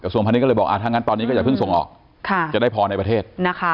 ส่วนพาณิชก็เลยบอกถ้างั้นตอนนี้ก็อย่าเพิ่งส่งออกจะได้พอในประเทศนะคะ